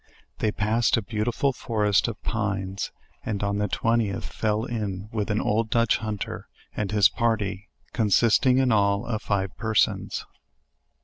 They passed a beautiful forest of pines, and on the 20th fell in with an LEWIS AND CIARKE 195 old Dutch hunter and his party, consisting 1 in all of five per sons.